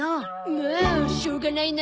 もうしょうがないな。